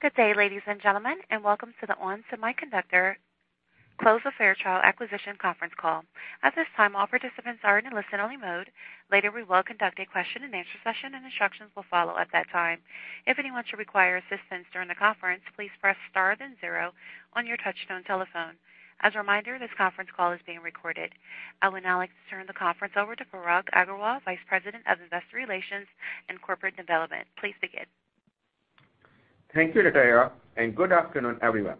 Good day, ladies and gentlemen, and welcome to the ON Semiconductor Close of Fairchild Acquisition conference call. At this time, all participants are in listen only mode. Later, we will conduct a question and answer session, and instructions will follow at that time. If anyone should require assistance during the conference, please press star then zero on your touchtone telephone. As a reminder, this conference call is being recorded. I would now like to turn the conference over to Parag Agarwal, Vice President of Investor Relations and Corporate Development. Please begin. Thank you, Nataya, and good afternoon, everyone.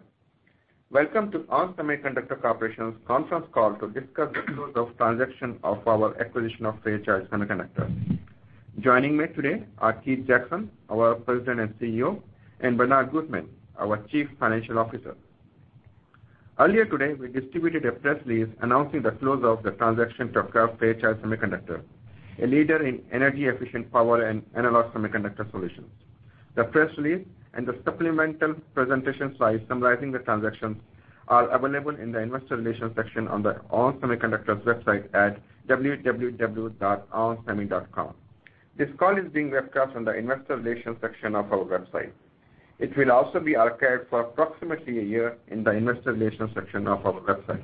Welcome to ON Semiconductor Corporation's conference call to discuss the close of transaction of our acquisition of Fairchild Semiconductor. Joining me today are Keith Jackson, our President and CEO, and Bernard Gutmann, our Chief Financial Officer. Earlier today, we distributed a press release announcing the close of the transaction to acquire Fairchild Semiconductor, a leader in energy efficient power and analog semiconductor solutions. The press release and the supplemental presentation slide summarizing the transactions are available in the investor relations section on the ON Semiconductor's website at www.onsemi.com. This call is being webcast on the investor relations section of our website. It will also be archived for approximately a year in the investor relations section of our website.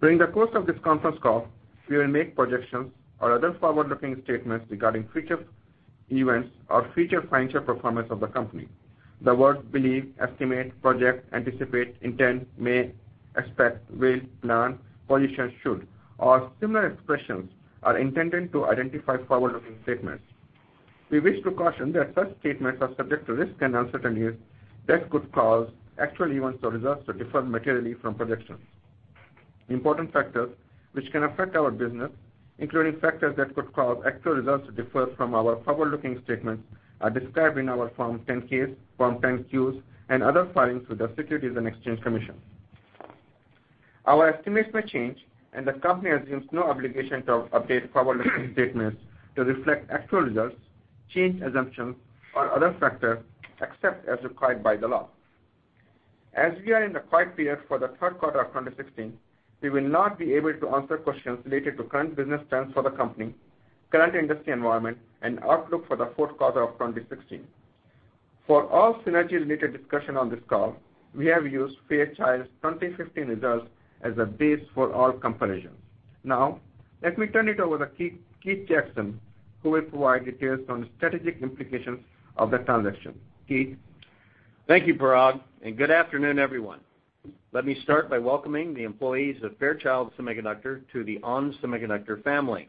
During the course of this conference call, we will make projections or other forward-looking statements regarding future events or future financial performance of the company. The words believe, estimate, project, anticipate, intend, may, expect, will, plan, position, should, or similar expressions are intended to identify forward-looking statements. We wish to caution that such statements are subject to risks and uncertainties that could cause actual events or results to differ materially from projections. Important factors which can affect our business, including factors that could cause actual results to differ from our forward-looking statements, are described in our Form 10-Ks, Form 10-Qs, and other filings with the Securities and Exchange Commission. Our estimates may change, and the company assumes no obligation to update forward-looking statements to reflect actual results, changed assumptions, or other factors, except as required by the law. As we are in the quiet period for the third quarter of 2016, we will not be able to answer questions related to current business trends for the company, current industry environment, and outlook for the fourth quarter of 2016. For all synergy-related discussion on this call, we have used Fairchild's 2015 results as a base for all comparisons. Now, let me turn it over to Keith Jackson, who will provide details on the strategic implications of the transaction. Keith? Thank you, Parag, and good afternoon, everyone. Let me start by welcoming the employees of Fairchild Semiconductor to the ON Semiconductor family.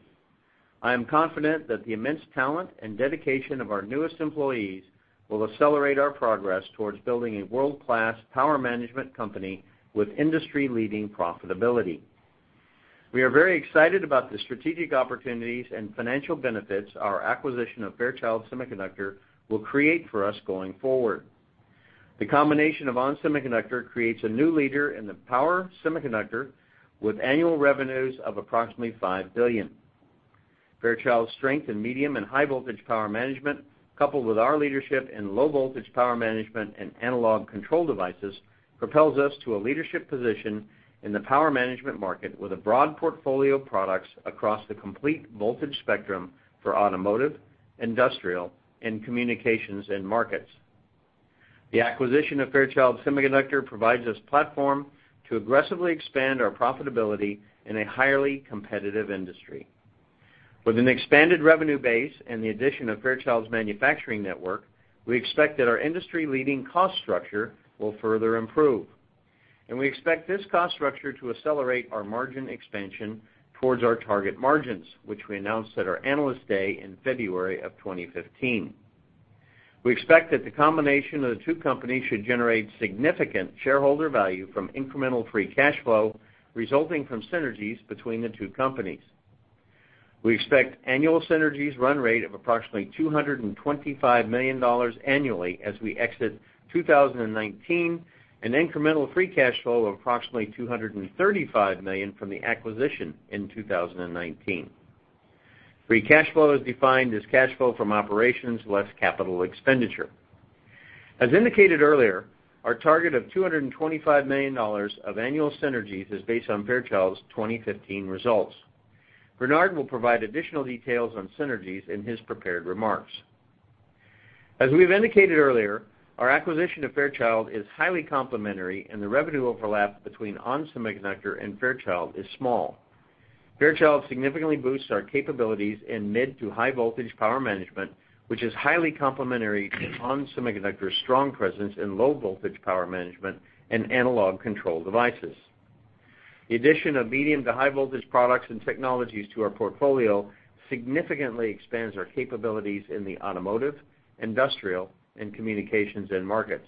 I am confident that the immense talent and dedication of our newest employees will accelerate our progress towards building a world-class power management company with industry-leading profitability. We are very excited about the strategic opportunities and financial benefits our acquisition of Fairchild Semiconductor will create for us going forward. The combination of ON Semiconductor creates a new leader in the power semiconductor with annual revenues of approximately $5 billion. Fairchild's strength in medium and high voltage power management, coupled with our leadership in low voltage power management and analog control devices, propels us to a leadership position in the power management market with a broad portfolio of products across the complete voltage spectrum for automotive, industrial, and communications end markets. The acquisition of Fairchild Semiconductor provides us platform to aggressively expand our profitability in a highly competitive industry. With an expanded revenue base and the addition of Fairchild's manufacturing network, we expect that our industry-leading cost structure will further improve, and we expect this cost structure to accelerate our margin expansion towards our target margins, which we announced at our Analyst Day in February of 2015. We expect that the combination of the two companies should generate significant shareholder value from incremental free cash flow resulting from synergies between the two companies. We expect annual synergies run rate of approximately $225 million annually as we exit 2019, and incremental free cash flow of approximately $235 million from the acquisition in 2019. Free cash flow is defined as cash flow from operations less capital expenditure. As indicated earlier, our target of $225 million of annual synergies is based on Fairchild's 2015 results. Bernard will provide additional details on synergies in his prepared remarks. As we've indicated earlier, our acquisition of Fairchild is highly complementary, and the revenue overlap between ON Semiconductor and Fairchild is small. Fairchild significantly boosts our capabilities in mid to high voltage power management, which is highly complementary to ON Semiconductor's strong presence in low voltage power management and analog control devices. The addition of medium to high voltage products and technologies to our portfolio significantly expands our capabilities in the automotive, industrial, and communications end markets.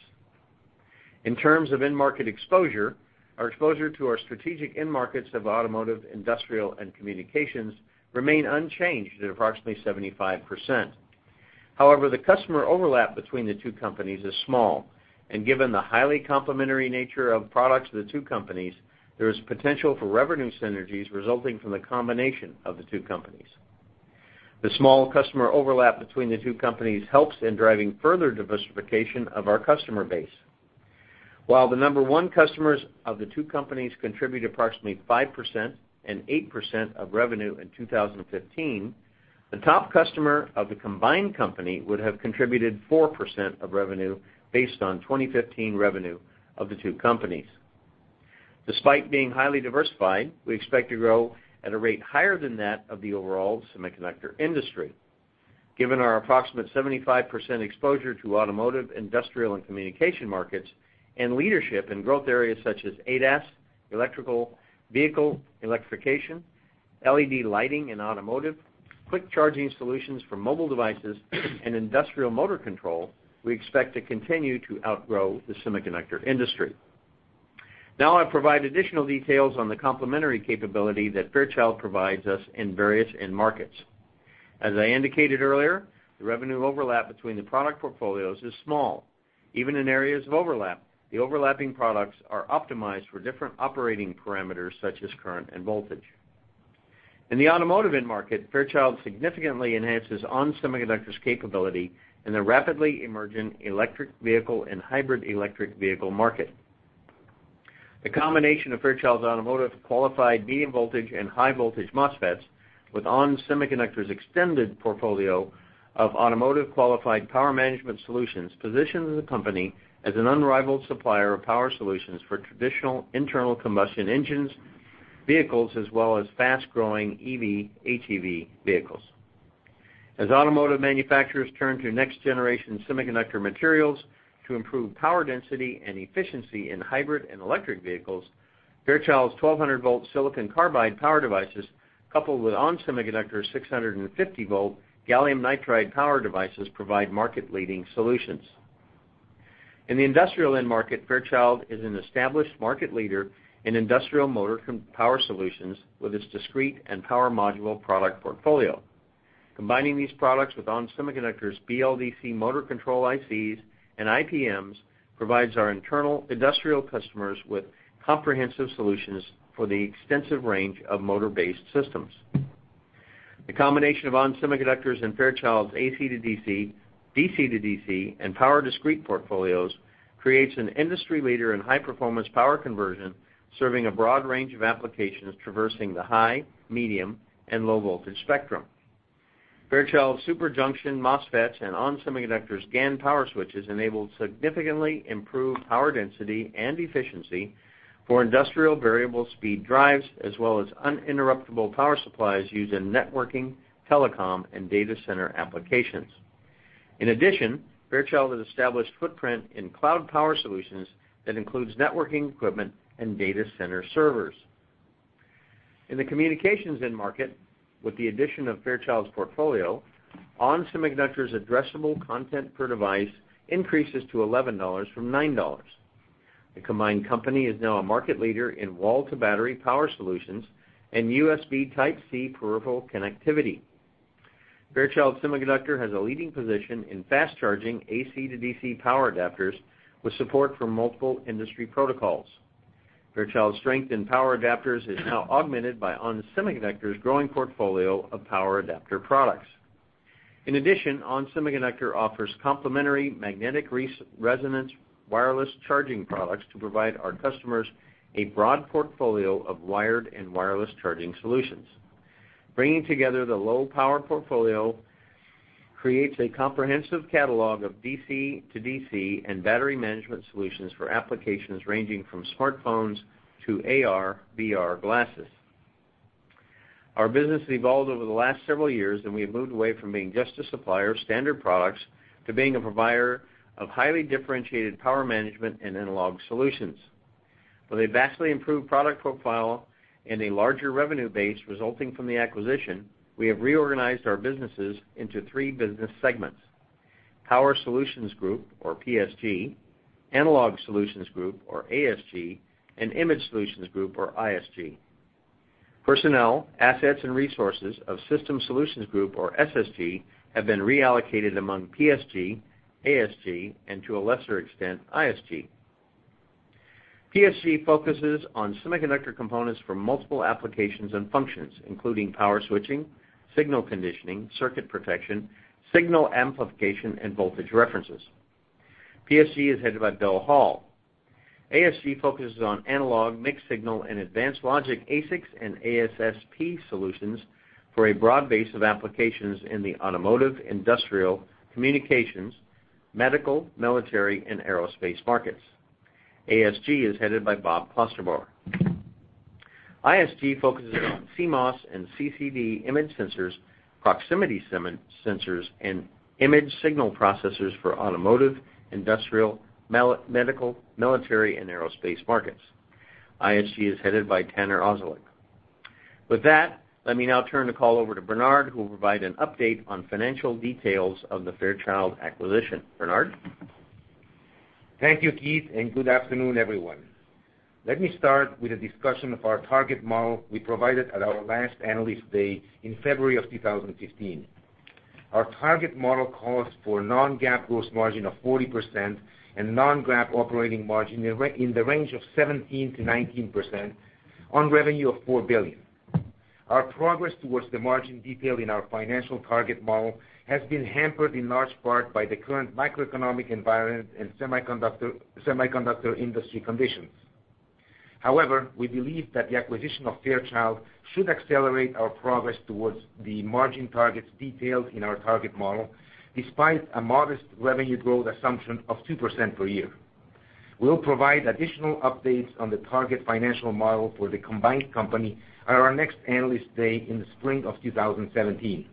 In terms of end market exposure, our exposure to our strategic end markets of automotive, industrial, and communications remain unchanged at approximately 75%. However, the customer overlap between the two companies is small, and given the highly complementary nature of products of the two companies, there is potential for revenue synergies resulting from the combination of the two companies. The small customer overlap between the two companies helps in driving further diversification of our customer base. While the number one customers of the two companies contribute approximately 5% and 8% of revenue in 2015, the top customer of the combined company would have contributed 4% of revenue based on 2015 revenue of the two companies. Despite being highly diversified, we expect to grow at a rate higher than that of the overall semiconductor industry. Given our approximate 75% exposure to automotive, industrial, and communication markets, and leadership in growth areas such as ADAS, electric vehicle electrification, LED lighting and automotive, quick charging solutions for mobile devices, and industrial motor control, we expect to continue to outgrow the semiconductor industry. I provide additional details on the complementary capability that Fairchild provides us in various end markets. As I indicated earlier, the revenue overlap between the product portfolios is small. Even in areas of overlap, the overlapping products are optimized for different operating parameters such as current and voltage. In the automotive end market, Fairchild significantly enhances ON Semiconductor's capability in the rapidly emerging electric vehicle and hybrid electric vehicle market. The combination of Fairchild's automotive qualified medium voltage and high voltage MOSFETs with ON Semiconductor's extended portfolio of automotive qualified power management solutions positions the company as an unrivaled supplier of power solutions for traditional internal combustion engines, vehicles, as well as fast-growing EV, HEV vehicles. As automotive manufacturers turn to next generation semiconductor materials to improve power density and efficiency in hybrid and electric vehicles, Fairchild's 1,200 volt silicon carbide power devices, coupled with ON Semiconductor's 650 volt gallium nitride power devices, provide market-leading solutions. In the industrial end market, Fairchild is an established market leader in industrial motor power solutions with its discrete and power module product portfolio. Combining these products with ON Semiconductor's BLDC motor control ICs and IPMs provides our internal industrial customers with comprehensive solutions for the extensive range of motor-based systems. The combination of ON Semiconductor's and Fairchild's AC-to-DC, DC-to-DC, and power discrete portfolios creates an industry leader in high performance power conversion, serving a broad range of applications traversing the high, medium, and low voltage spectrum. Fairchild's super junction MOSFETs and ON Semiconductor's GaN power switches enable significantly improved power density and efficiency for industrial variable speed drives as well as uninterruptible power supplies used in networking, telecom, and data center applications. Fairchild has established footprint in cloud power solutions that includes networking equipment and data center servers. In the communications end market, with the addition of Fairchild's portfolio, ON Semiconductor's addressable content per device increases to $11 from $9. The combined company is now a market leader in wall-to-battery power solutions and USB Type-C peripheral connectivity. Fairchild Semiconductor has a leading position in fast charging AC to DC power adapters with support from multiple industry protocols. Fairchild's strength in power adapters is now augmented by ON Semiconductor's growing portfolio of power adapter products. ON Semiconductor offers complementary magnetic resonance wireless charging products to provide our customers a broad portfolio of wired and wireless charging solutions. Bringing together the low power portfolio creates a comprehensive catalog of DC to DC and battery management solutions for applications ranging from smartphones to AR, VR glasses. Our business has evolved over the last several years, we have moved away from being just a supplier of standard products to being a provider of highly differentiated power management and analog solutions. With a vastly improved product profile and a larger revenue base resulting from the acquisition, we have reorganized our businesses into three business segments, Power Solutions Group or PSG, Analog Solutions Group or ASG, and Intelligent Sensing Group or ISG. Personnel, assets, and resources of System Solutions Group or SSG have been reallocated among PSG, ASG, and to a lesser extent, ISG. PSG focuses on semiconductor components for multiple applications and functions, including power switching, signal conditioning, circuit protection, signal amplification, and voltage references. PSG is headed by Bill Hall. ASG focuses on analog, mixed-signal, and advanced logic ASICs and ASSP solutions for a broad base of applications in the automotive, industrial, communications, medical, military, and aerospace markets. ASG is headed by Bob Klosterboer. ISG focuses on CMOS and CCD image sensors, proximity sensors, and image signal processors for automotive, industrial, medical, military, and aerospace markets. ISG is headed by Taner Ozcelik. With that, let me now turn the call over to Bernard, who will provide an update on financial details of the Fairchild acquisition. Bernard? Thank you, Keith, and good afternoon, everyone. Let me start with a discussion of our target model we provided at our last Analyst Day in February of 2015. Our target model calls for non-GAAP gross margin of 40% and non-GAAP operating margin in the range of 17%-19% on revenue of $4 billion. Our progress towards the margin detail in our financial target model has been hampered in large part by the current macroeconomic environment and semiconductor industry conditions. However, we believe that the acquisition of Fairchild should accelerate our progress towards the margin targets detailed in our target model, despite a modest revenue growth assumption of 2% per year. We will provide additional updates on the target financial model for the combined company at our next analyst day in the spring of 2017.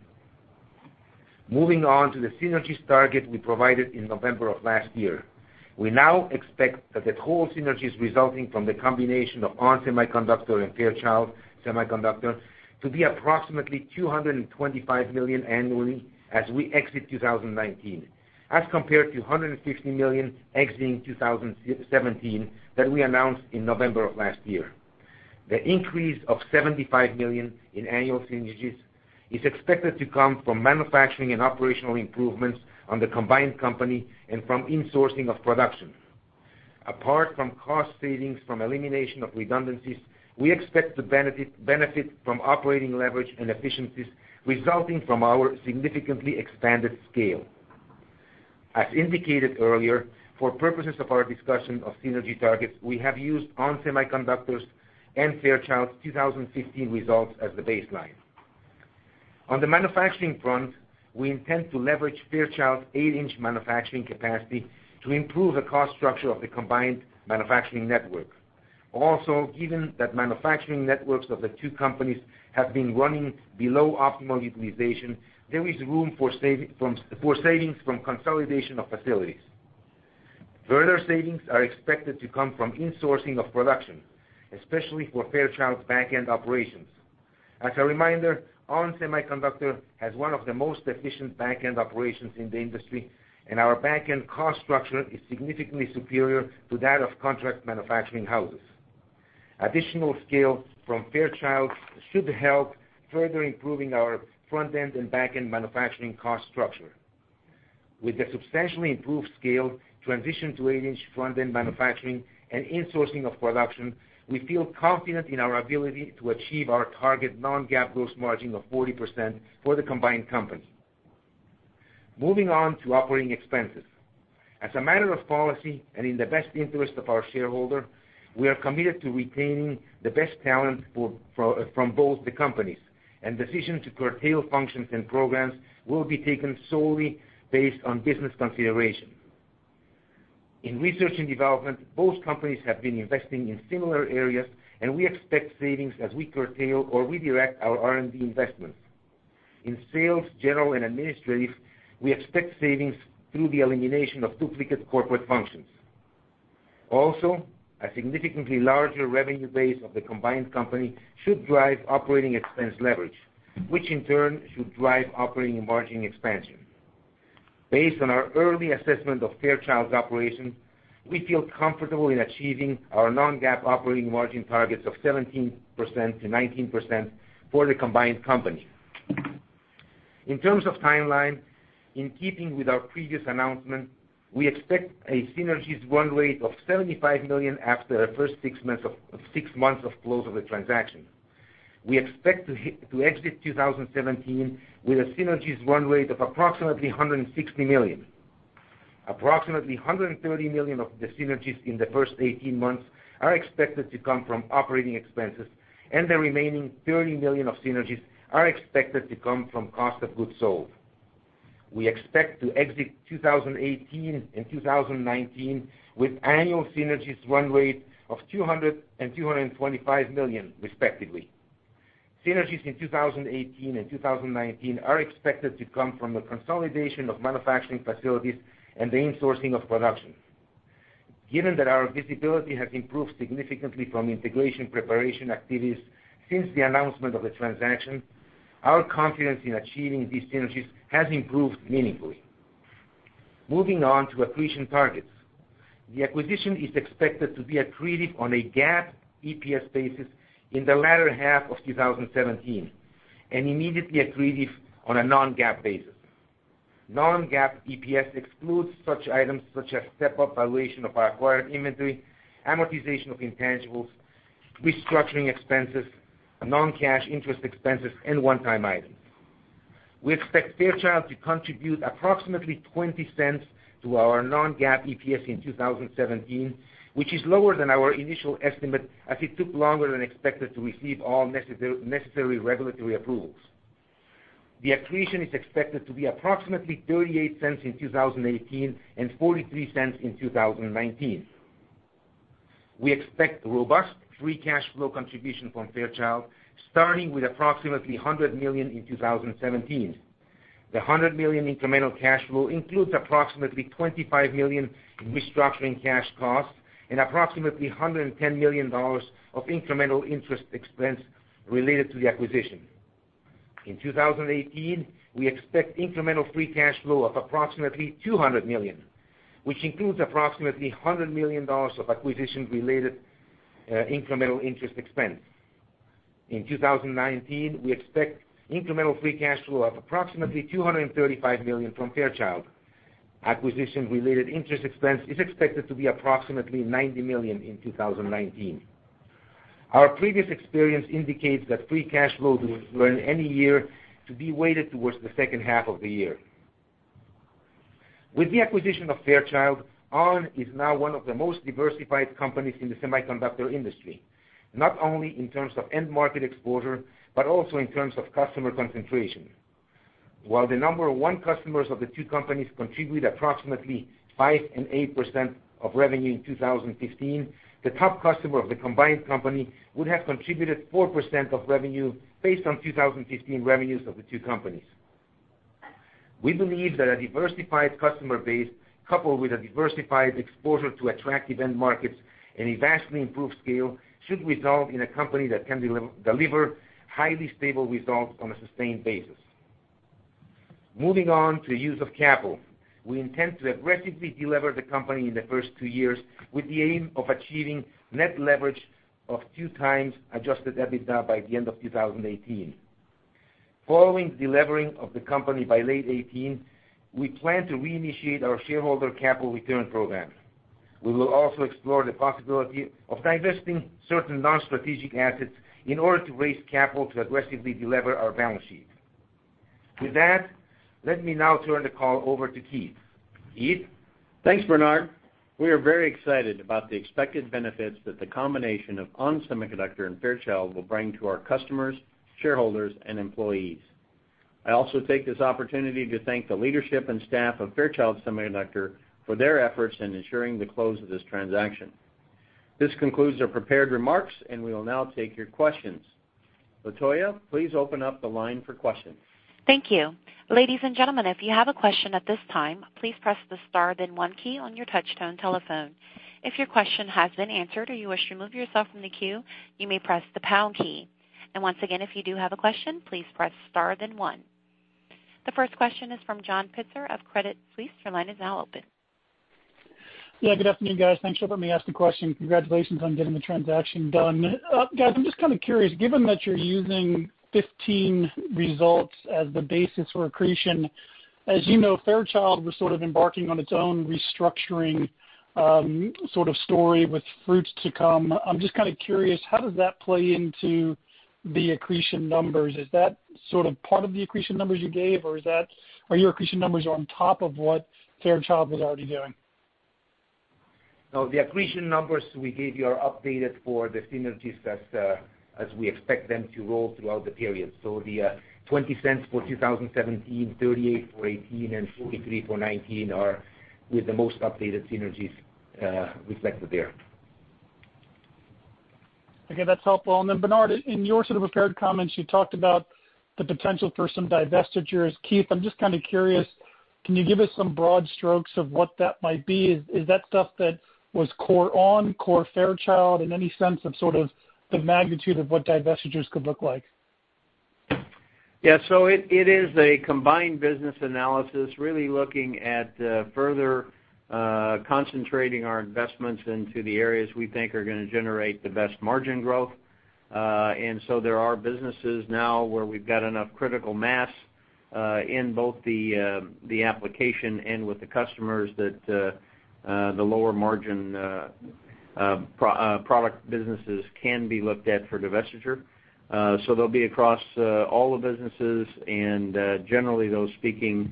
Moving on to the synergies target we provided in November of last year. We now expect that the total synergies resulting from the combination of ON Semiconductor and Fairchild Semiconductor to be approximately $225 million annually as we exit 2019, as compared to $160 million exiting 2017 that we announced in November of last year. The increase of $75 million in annual synergies is expected to come from manufacturing and operational improvements on the combined company and from insourcing of production. Apart from cost savings from elimination of redundancies, we expect to benefit from operating leverage and efficiencies resulting from our significantly expanded scale. As indicated earlier, for purposes of our discussion of synergy targets, we have used ON Semiconductor's and Fairchild's 2015 results as the baseline. On the manufacturing front, we intend to leverage Fairchild's eight-inch manufacturing capacity to improve the cost structure of the combined manufacturing network. Given that manufacturing networks of the two companies have been running below optimal utilization, there is room for savings from consolidation of facilities. Further savings are expected to come from insourcing of production, especially for Fairchild's back-end operations. As a reminder, ON Semiconductor has one of the most efficient back-end operations in the industry, and our back-end cost structure is significantly superior to that of contract manufacturing houses. Additional scale from Fairchild should help further improving our front-end and back-end manufacturing cost structure. With the substantially improved scale, transition to 8-inch front-end manufacturing, and insourcing of production, we feel confident in our ability to achieve our target non-GAAP gross margin of 40% for the combined company. Moving on to operating expenses. As a matter of policy and in the best interest of our shareholder, we are committed to retaining the best talent from both the companies. Decisions to curtail functions and programs will be taken solely based on business consideration. In research and development, both companies have been investing in similar areas, and we expect savings as we curtail or redirect our R&D investments. In sales, general, and administrative, we expect savings through the elimination of duplicate corporate functions. A significantly larger revenue base of the combined company should drive operating expense leverage, which in turn should drive operating and margin expansion. Based on our early assessment of Fairchild's operation, we feel comfortable in achieving our non-GAAP operating margin targets of 17%-19% for the combined company. In terms of timeline, in keeping with our previous announcement, we expect a synergies run rate of $75 million after the first six months of close of the transaction. We expect to exit 2017 with a synergies run rate of approximately $160 million. Approximately $130 million of the synergies in the first 18 months are expected to come from operating expenses, and the remaining $30 million of synergies are expected to come from cost of goods sold. We expect to exit 2018 and 2019 with annual synergies run rate of $200 million and $225 million respectively. Synergies in 2018 and 2019 are expected to come from the consolidation of manufacturing facilities and the insourcing of production. Given that our visibility has improved significantly from integration preparation activities since the announcement of the transaction, our confidence in achieving these synergies has improved meaningfully. Moving on to accretion targets. The acquisition is expected to be accretive on a GAAP EPS basis in the latter half of 2017, and immediately accretive on a non-GAAP basis. Non-GAAP EPS excludes such items such as step-up valuation of acquired inventory, amortization of intangibles, restructuring expenses, non-cash interest expenses, and one-time items. We expect Fairchild to contribute approximately $0.20 to our non-GAAP EPS in 2017, which is lower than our initial estimate as it took longer than expected to receive all necessary regulatory approvals. The accretion is expected to be approximately $0.38 in 2018 and $0.43 in 2019. We expect robust free cash flow contribution from Fairchild, starting with approximately $100 million in 2017. The $100 million incremental cash flow includes approximately $25 million in restructuring cash costs and approximately $110 million of incremental interest expense related to the acquisition. In 2018, we expect incremental free cash flow of approximately $200 million, which includes approximately $100 million of acquisition-related incremental interest expense. In 2019, we expect incremental free cash flow of approximately $235 million from Fairchild. Acquisition-related interest expense is expected to be approximately $90 million in 2019. Our previous experience indicates that free cash flow will, in any year, be weighted towards the second half of the year. With the acquisition of Fairchild, ON is now one of the most diversified companies in the semiconductor industry, not only in terms of end market exposure, but also in terms of customer concentration. While the number 1 customers of the two companies contribute approximately 5% and 8% of revenue in 2015, the top customer of the combined company would have contributed 4% of revenue based on 2015 revenues of the two companies. We believe that a diversified customer base, coupled with a diversified exposure to attractive end markets and a vastly improved scale, should result in a company that can deliver highly stable results on a sustained basis. Moving on to use of capital. We intend to aggressively delever the company in the first two years with the aim of achieving net leverage of 2x adjusted EBITDA by the end of 2018. Following the levering of the company by late 2018, we plan to reinitiate our shareholder capital return program. We will also explore the possibility of divesting certain non-strategic assets in order to raise capital to aggressively delever our balance sheet. With that, let me now turn the call over to Keith. Keith? Thanks, Bernard. We are very excited about the expected benefits that the combination of ON Semiconductor and Fairchild will bring to our customers, shareholders, and employees. I also take this opportunity to thank the leadership and staff of Fairchild Semiconductor for their efforts in ensuring the close of this transaction. This concludes our prepared remarks. We will now take your questions. Nataya, please open up the line for questions. Thank you. Ladies and gentlemen, if you have a question at this time, please press the star then 1 key on your touchtone telephone. If your question has been answered or you wish to remove yourself from the queue, you may press the pound key. Once again, if you do have a question, please press star then 1. The first question is from John Pitzer of Credit Suisse. Your line is now open. Yeah, good afternoon, guys. Thanks for letting me ask the question. Congratulations on getting the transaction done. Guys, I'm just kind of curious, given that you're using 2015 results as the basis for accretion, as you know, Fairchild was sort of embarking on its own restructuring sort of story with fruits to come. I'm just kind of curious, how does that play into the accretion numbers? Is that sort of part of the accretion numbers you gave, or are your accretion numbers on top of what Fairchild was already doing? The accretion numbers we gave you are updated for the synergies as we expect them to roll throughout the period. The $0.20 for 2017, 38 for 2018, and 43 for 2019 are with the most updated synergies reflected there. That's helpful. Bernard, in your sort of prepared comments, you talked about the potential for some divestitures. Keith, I'm just kind of curious, can you give us some broad strokes of what that might be? Is that stuff that was core ON, core Fairchild, and any sense of sort of the magnitude of what divestitures could look like? Yeah. It is a combined business analysis, really looking at further concentrating our investments into the areas we think are going to generate the best margin growth. There are businesses now where we've got enough critical mass, in both the application and with the customers that the lower margin product businesses can be looked at for divestiture. They'll be across all the businesses and generally those speaking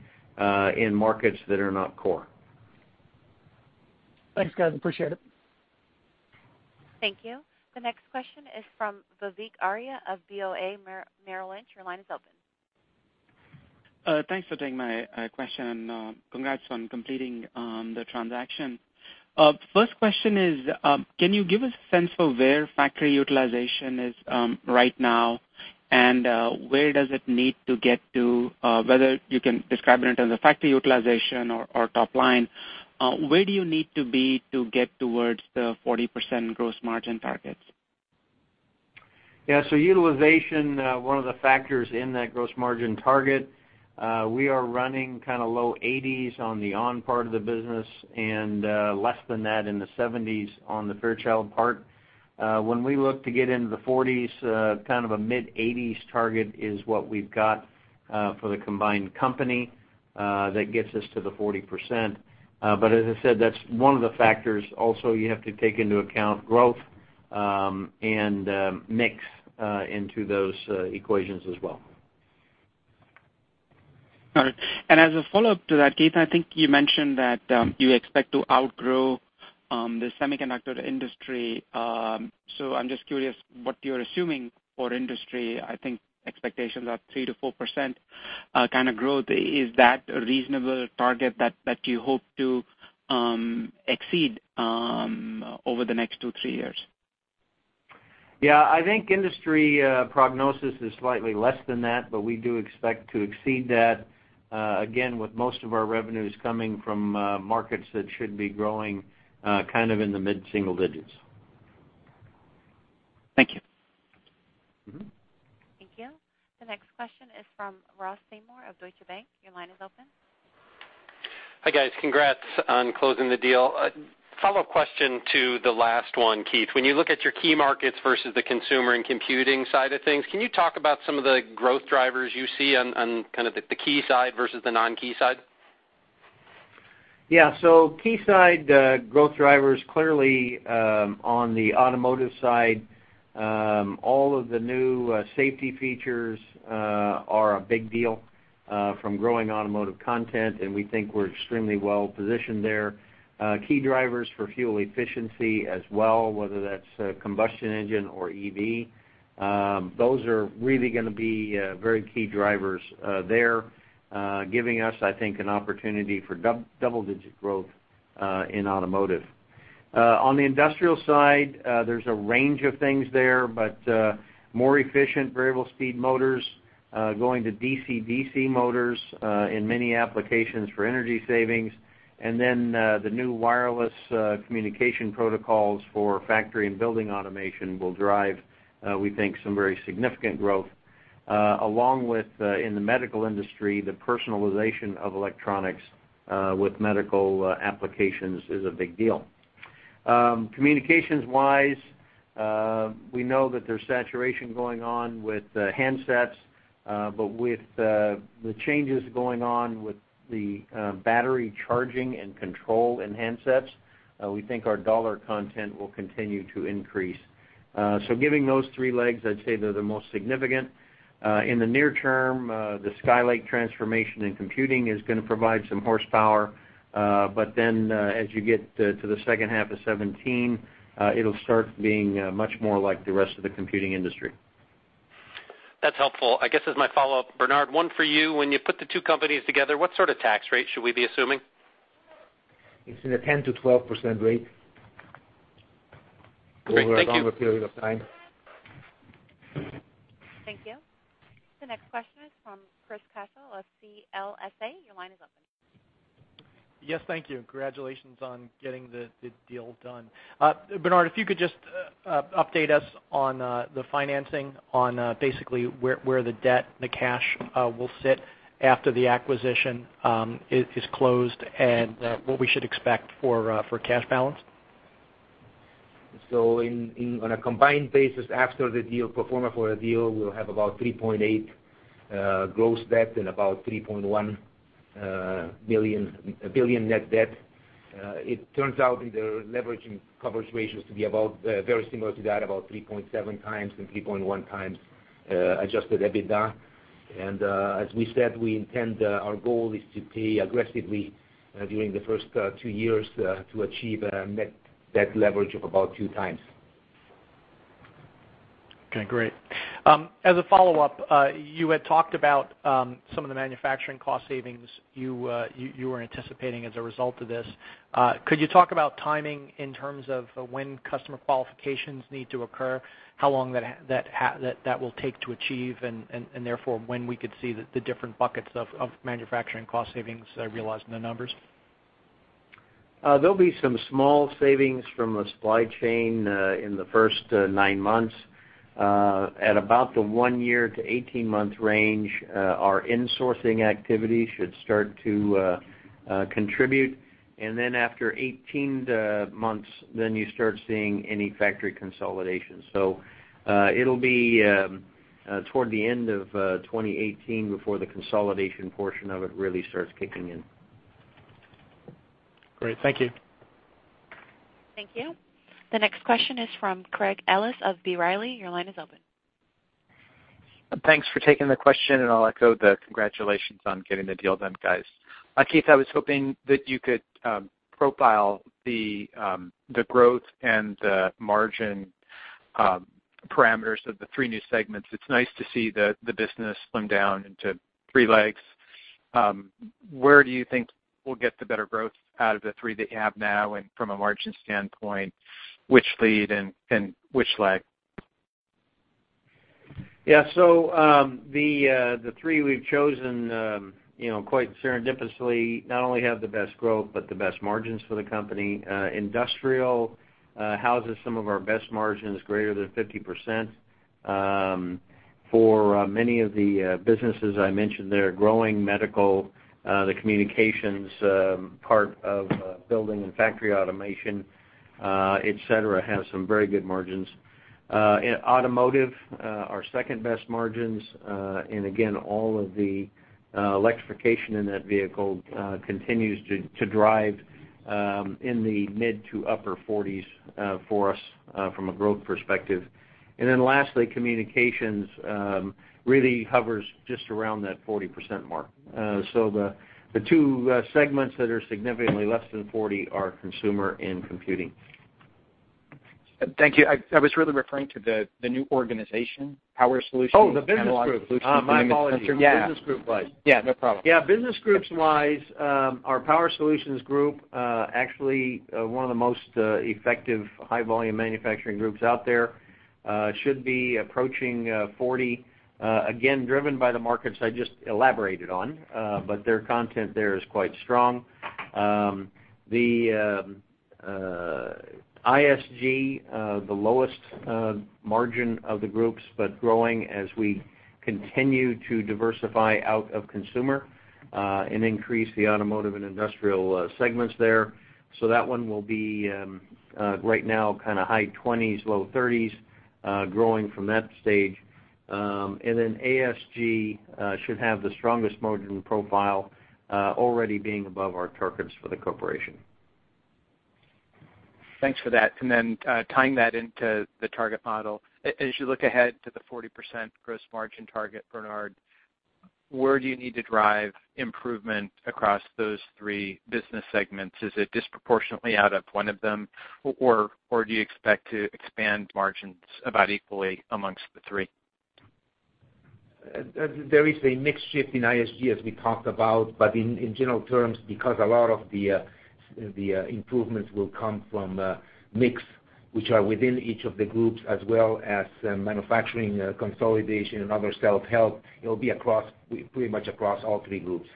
in markets that are not core. Thanks, guys. Appreciate it. Thank you. The next question is from Vivek Arya of BOA Merrill Lynch. Your line is open. Thanks for taking my question and congrats on completing the transaction. First question is, can you give us a sense of where factory utilization is right now and where does it need to get to, whether you can describe it in terms of factory utilization or top line, where do you need to be to get towards the 40% gross margin targets? Yeah. Utilization, one of the factors in that gross margin target, we are running kind of low 80s on the ON part of the business and less than that, in the 70s on the Fairchild part. When we look to get into the 40s, kind of a mid-80s target is what we've got for the combined company. That gets us to the 40%. As I said, that's one of the factors. Also, you have to take into account growth and mix into those equations as well. As a follow-up to that, Keith, I think you mentioned that you expect to outgrow the semiconductor industry. I'm just curious what you're assuming for industry. I think expectations are 3% to 4% kind of growth. Is that a reasonable target that you hope to exceed over the next two, three years? Yeah, I think industry prognosis is slightly less than that. We do expect to exceed that, again, with most of our revenues coming from markets that should be growing kind of in the mid-single digits. Thank you. Thank you. The next question is from Ross Seymore+ of Deutsche Bank. Your line is open. Hi, guys. Congrats on closing the deal. A follow-up question to the last one, Keith. When you look at your key markets versus the consumer and computing side of things, can you talk about some of the growth drivers you see on kind of the key side versus the non-key side? Yeah. Key side growth drivers, clearly on the automotive side, all of the new safety features are a big deal from growing automotive content, and we think we're extremely well-positioned there. Key drivers for fuel efficiency as well, whether that's combustion engine or EV. Those are really going to be very key drivers there, giving us, I think, an opportunity for double-digit growth in automotive. On the industrial side, there's a range of things there, but more efficient variable speed motors, going to DC-DC motors in many applications for energy savings. The new wireless communication protocols for factory and building automation will drive, we think, some very significant growth. Along with in the medical industry, the personalization of electronics with medical applications is a big deal. Communications-wise, we know that there's saturation going on with handsets, but with the changes going on with the battery charging and control in handsets, we think our dollar content will continue to increase. Giving those three legs, I'd say they're the most significant. In the near term, the Skylake transformation in computing is going to provide some horsepower, but then as you get to the second half of 2017, it'll start being much more like the rest of the computing industry. That's helpful. I guess as my follow-up, Bernard, one for you. When you put the two companies together, what sort of tax rate should we be assuming? It's in a 10-12% rate. Great. Thank you. Over a longer period of time. Thank you. The next question is from Chris Caso of CLSA. Your line is open. Yes, thank you, and congratulations on getting the deal done. Bernard, if you could just update us on the financing on basically where the debt and the cash will sit after the acquisition is closed, and what we should expect for cash balance. On a combined basis, after the deal, pro forma for the deal, we'll have about $3.8 gross debt and about $3.1 billion net debt. It turns out the leveraging coverage ratios to be very similar to that, about 3.7 times and 3.1 times adjusted EBITDA. As we said, our goal is to pay aggressively during the first two years to achieve a net debt leverage of about two times. Okay, great. As a follow-up, you had talked about some of the manufacturing cost savings you were anticipating as a result of this. Could you talk about timing in terms of when customer qualifications need to occur, how long that will take to achieve, and therefore, when we could see the different buckets of manufacturing cost savings realized in the numbers? There'll be some small savings from the supply chain in the first nine months. At about the one year to 18-month range, our insourcing activity should start to contribute, and then after 18 months, then you start seeing any factory consolidation. It'll be toward the end of 2018 before the consolidation portion of it really starts kicking in. Great, thank you. Thank you. The next question is from Craig Ellis of B. Riley. Your line is open. Thanks for taking the question, I'll echo the congratulations on getting the deal done, guys. Keith, I was hoping that you could profile the growth and the margin parameters of the three new segments. It's nice to see the business slimmed down into three legs. Where do you think we'll get the better growth out of the three that you have now? From a margin standpoint, which lead and which leg? Yeah. The three we've chosen quite serendipitously not only have the best growth, but the best margins for the company. Industrial houses some of our best margins, greater than 50%. For many of the businesses I mentioned there, growing medical, the communications part of building and factory automation, et cetera, have some very good margins. In automotive, our second-best margins. Again, all of the electrification in that vehicle continues to drive in the mid to upper 40% for us from a growth perspective. Lastly, communications really hovers just around that 40% mark. The two segments that are significantly less than 40% are consumer and computing. Thank you. I was really referring to the new organization, Power Solutions. Oh, the business group. Analog Solutions. My apologies. Yeah. Business group wise. Yeah, no problem. Yeah. Business groups wise, our Power Solutions Group, actually one of the most effective high-volume manufacturing groups out there, should be approaching 40%, again, driven by the markets I just elaborated on. Their content there is quite strong. The ISG, the lowest margin of the groups, growing as we continue to diversify out of consumer, and increase the automotive and industrial segments there. That one will be, right now, kind of high 20s%, low 30s%, growing from that stage. ASG should have the strongest margin profile already being above our targets for the corporation. Thanks for that. Tying that into the target model. As you look ahead to the 40% gross margin target, Bernard, where do you need to drive improvement across those three business segments? Is it disproportionately out of one of them, or do you expect to expand margins about equally amongst the three? There is a mix shift in ISG as we talked about, but in general terms, because a lot of the improvements will come from mix, which are within each of the groups as well as manufacturing consolidation and other self-help. It'll be pretty much across all three groups.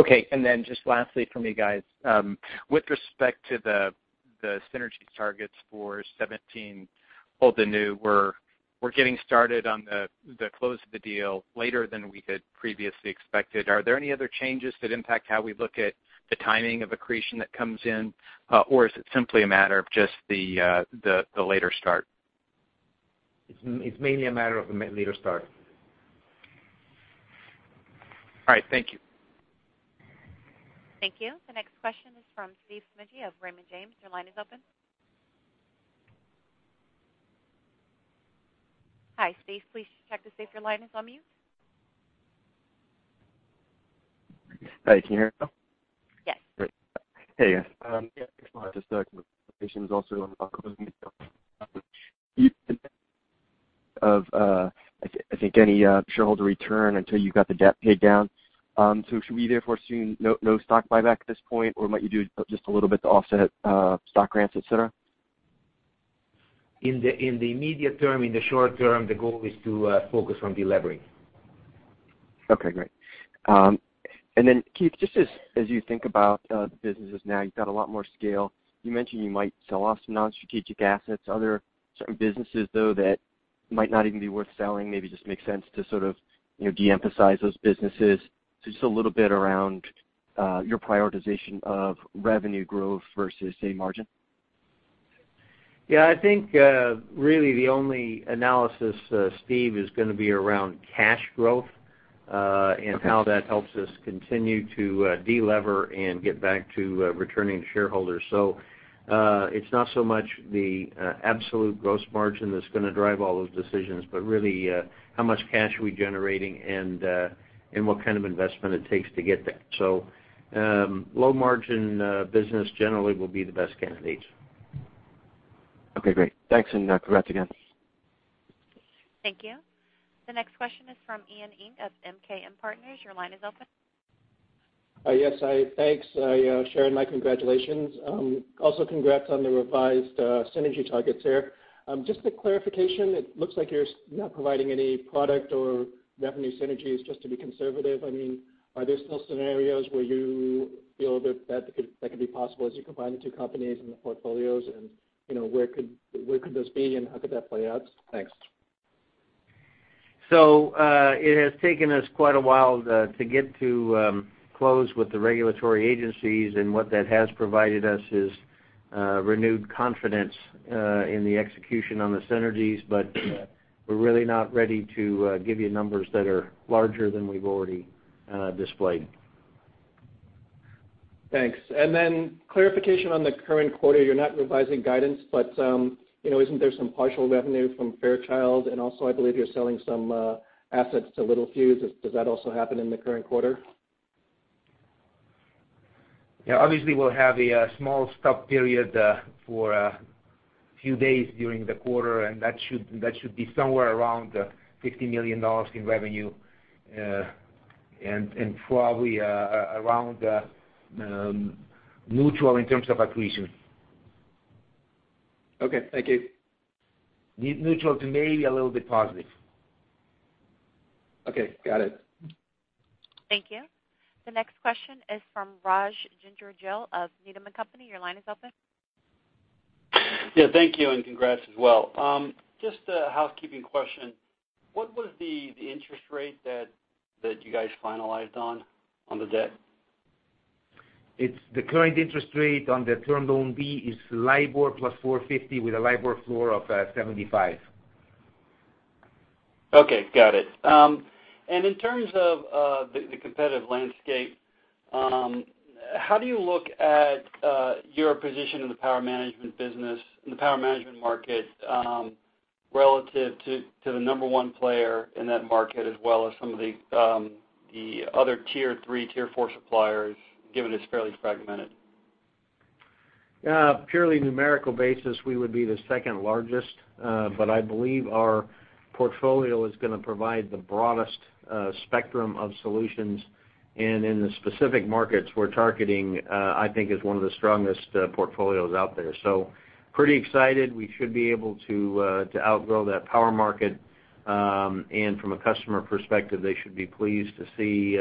Okay. Then just lastly from me, guys. With respect to the synergy targets for 2017, old and new, we're getting started on the close of the deal later than we had previously expected. Are there any other changes that impact how we look at the timing of accretion that comes in? Is it simply a matter of just the later start? It's mainly a matter of the later start. All right. Thank you. Thank you. The next question is from Steve Smigie of Raymond James. Your line is open. Hi, Steve. Please check to see if your line is on mute. Hi, can you hear me now? Yes. Great. Hey, guys. Yeah, I just had some questions also on the closing deal. You said of, I think, any shareholder return until you got the debt paid down. Should we therefore assume no stock buyback at this point, or might you do just a little bit to offset stock grants, et cetera? In the immediate term, in the short term, the goal is to focus on de-levering. Okay, great. Keith, just as you think about the businesses now, you've got a lot more scale. You mentioned you might sell off some non-strategic assets. Are there certain businesses, though, that might not even be worth selling, maybe just makes sense to sort of de-emphasize those businesses? Just a little bit around your prioritization of revenue growth versus, say, margin. I think really the only analysis, Steve, is going to be around cash growth. Okay How that helps us continue to de-lever and get back to returning to shareholders. It's not so much the absolute gross margin that's going to drive all those decisions, but really how much cash are we generating and what kind of investment it takes to get there. Low margin business generally will be the best candidates. Okay, great. Thanks, congrats again. Thank you. The next question is from Ian Ing of MKM Partners. Your line is open. Yes, thanks. I share in my congratulations. Also congrats on the revised synergy targets there. Just a clarification. It looks like you're not providing any product or revenue synergies just to be conservative. Are there still scenarios where you feel that that could be possible as you combine the two companies and the portfolios, and where could those be, and how could that play out? Thanks. It has taken us quite a while to get to close with the regulatory agencies, and what that has provided us is renewed confidence in the execution on the synergies. We're really not ready to give you numbers that are larger than we've already displayed. Thanks. Clarification on the current quarter. You're not revising guidance, isn't there some partial revenue from Fairchild? Also, I believe you're selling some assets to Littelfuse. Does that also happen in the current quarter? Yeah, obviously, we'll have a small stub period for a few days during the quarter, and that should be somewhere around $50 million in revenue and probably around neutral in terms of accretion. Okay, thank you. Neutral to maybe a little bit positive. Okay, got it. Thank you. The next question is from Rajvindra Gill of Needham & Company. Your line is open. Yeah, thank you, and congrats as well. Just a housekeeping question. What was the interest rate that you guys finalized on the debt? The current interest rate on the term loan B is LIBOR plus 450 with a LIBOR floor of 75. Okay, got it. In terms of the competitive landscape, how do you look at your position in the power management business, in the power management market relative to the number one player in that market as well as some of the other tier 3, tier 4 suppliers, given it's fairly fragmented? Purely numerical basis, we would be the second largest. I believe our portfolio is going to provide the broadest spectrum of solutions, and in the specific markets we're targeting, I think is one of the strongest portfolios out there. Pretty excited. We should be able to outgrow that power market. From a customer perspective, they should be pleased to see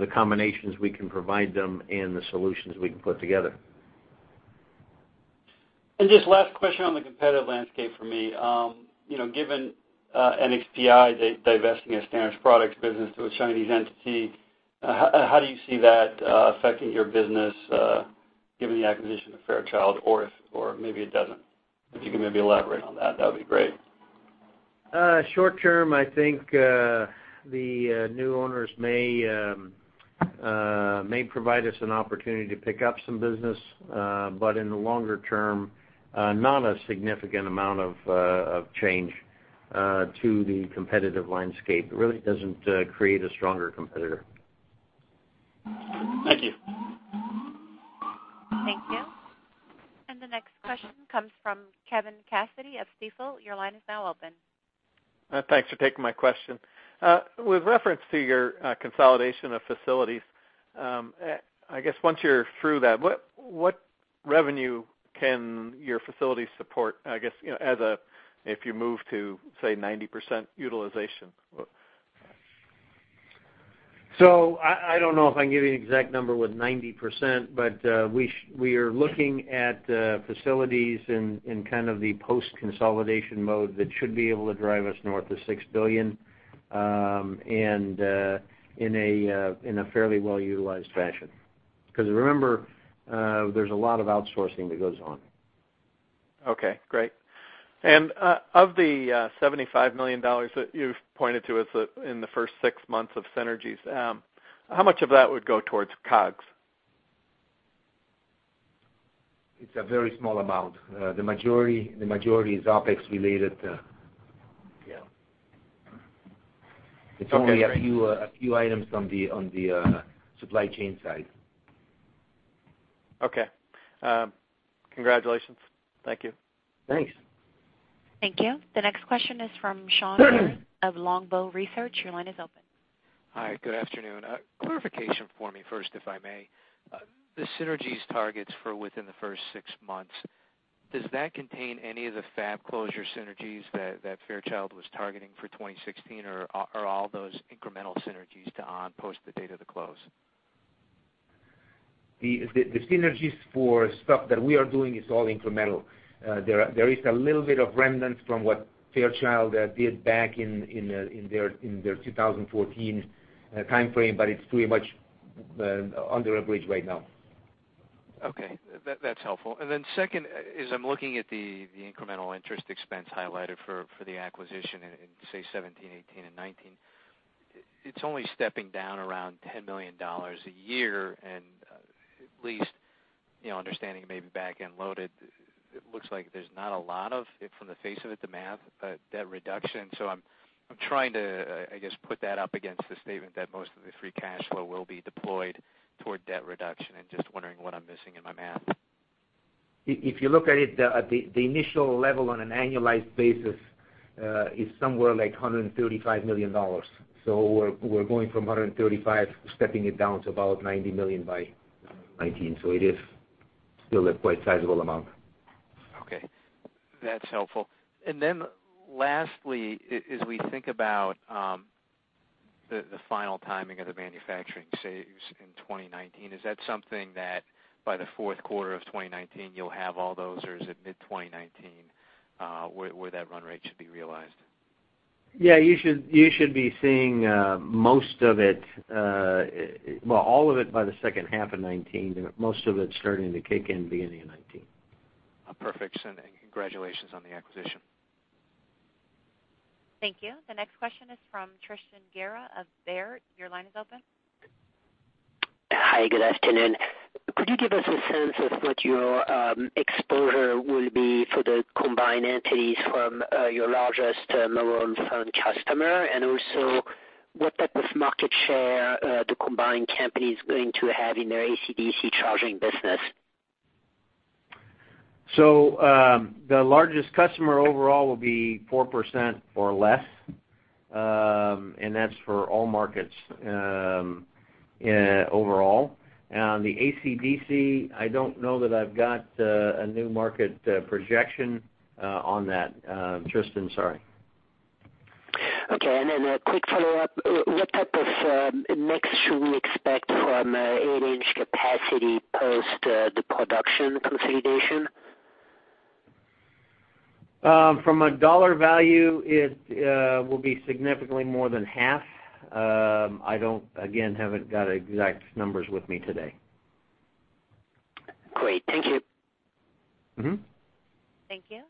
the combinations we can provide them and the solutions we can put together. Just last question on the competitive landscape for me. Given NXPI divesting its standard products business to a Chinese entity, how do you see that affecting your business? Given the acquisition of Fairchild, or maybe it doesn't, if you can maybe elaborate on that would be great. Short term, I think the new owners may provide us an opportunity to pick up some business. In the longer term, not a significant amount of change to the competitive landscape. It really doesn't create a stronger competitor. Thank you. Thank you. The next question comes from Kevin Cassidy of Stifel. Your line is now open. Thanks for taking my question. With reference to your consolidation of facilities, I guess once you're through that, what revenue can your facilities support, I guess, if you move to, say, 90% utilization? I don't know if I can give you an exact number with 90%. We are looking at facilities in kind of the post-consolidation mode that should be able to drive us north of $6 billion, and in a fairly well-utilized fashion. Remember, there's a lot of outsourcing that goes on. Okay. Great. Of the $75 million that you've pointed to in the first six months of synergies, how much of that would go towards COGS? It's a very small amount. The majority is OpEx related. Yeah. Okay, great. It's only a few items on the supply chain side. Okay. Congratulations. Thank you. Thanks. Thank you. The next question is from Shawn of Longbow Research. Your line is open. Hi, good afternoon. Clarification for me first, if I may. The synergies targets for within the first six months, does that contain any of the fab closure synergies that Fairchild was targeting for 2016, or are all those incremental synergies to ON post the date of the close? The synergies for stuff that we are doing is all incremental. There is a little bit of remnant from what Fairchild did back in their 2014 timeframe, but it's pretty much under a bridge right now. Okay. That's helpful. Second, as I am looking at the incremental interest expense highlighted for the acquisition in, say, 2017, 2018, and 2019, it is only stepping down around $10 million a year, and at least, understanding it may be back-end loaded, it looks like there is not a lot of, from the face of it, the math, debt reduction. I am trying to, I guess, put that up against the statement that most of the free cash flow will be deployed toward debt reduction, and just wondering what I am missing in my math. If you look at it, the initial level on an annualized basis is somewhere like $135 million. We are going from $135 million, stepping it down to about $90 million by 2019. It is still a quite sizable amount. Okay. That is helpful. Lastly, as we think about the final timing of the manufacturing saves in 2019, is that something that by the fourth quarter of 2019, you will have all those, or is it mid-2019 where that run rate should be realized? Yeah, you should be seeing most of it, well, all of it by the second half of 2019, most of it starting to kick in beginning of 2019. Perfect. Congratulations on the acquisition. Thank you. The next question is from Tristan Gerra of Baird. Your line is open. Hi, good afternoon. Could you give us a sense of what your exposure will be for the combined entities from your largest mobile phone customer, and also what type of market share the combined company's going to have in their AC/DC charging business? The largest customer overall will be 4% or less, and that's for all markets overall. The AC/DC, I don't know that I've got a new market projection on that, Tristan. Sorry. Okay, then a quick follow-up. What type of mix should we expect from eight-inch capacity post the production consolidation? From a dollar value, it will be significantly more than half. I don't, again, haven't got exact numbers with me today. Great. Thank you. Thank you.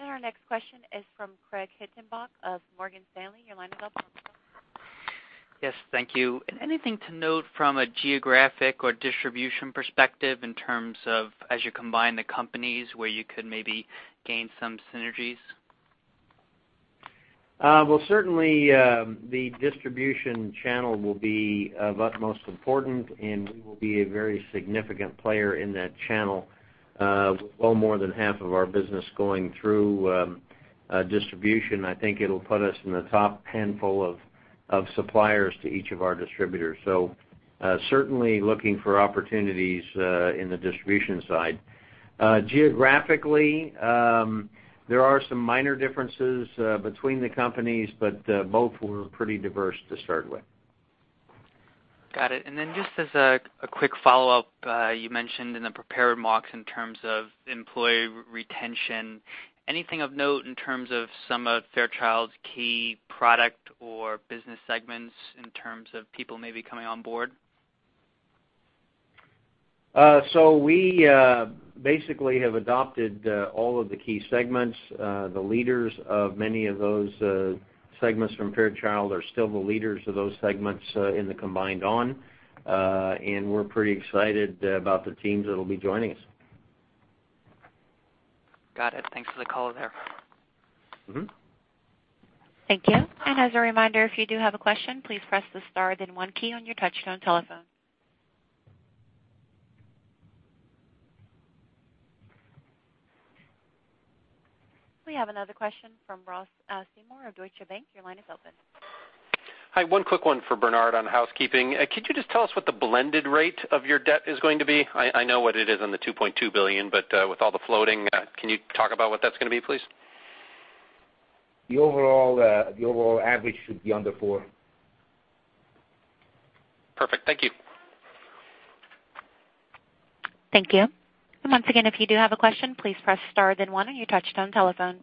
Our next question is from Craig Hettenbach of Morgan Stanley. Your line is open. Yes, thank you. Anything to note from a geographic or distribution perspective in terms of as you combine the companies where you could maybe gain some synergies? Well, certainly the distribution channel will be of utmost importance, and we will be a very significant player in that channel. With well more than half of our business going through distribution, I think it'll put us in the top handful of suppliers to each of our distributors. Certainly looking for opportunities in the distribution side. Geographically, there are some minor differences between the companies, both were pretty diverse to start with. Got it. Just as a quick follow-up, you mentioned in the prepared remarks in terms of employee retention, anything of note in terms of some of Fairchild's key product or business segments in terms of people maybe coming on board? We basically have adopted all of the key segments. The leaders of many of those segments from Fairchild are still the leaders of those segments in the combined ON. We're pretty excited about the teams that'll be joining us. Got it. Thanks for the color there. Thank you. As a reminder, if you do have a question, please press the star then one key on your touch-tone telephone. We have another question from Ross Seymour of Deutsche Bank. Your line is open. Hi, one quick one for Bernard on housekeeping. Could you just tell us what the blended rate of your debt is going to be? I know what it is on the $2.2 billion. With all the floating, can you talk about what that's going to be, please? The overall average should be under four. Perfect. Thank you. Thank you. Once again, if you do have a question, please press star then one on your touch-tone telephone.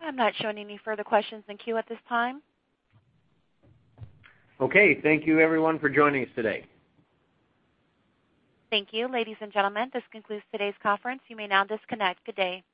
I'm not showing any further questions in queue at this time. Okay. Thank you everyone for joining us today. Thank you. Ladies and gentlemen, this concludes today's conference. You may now disconnect. Good day.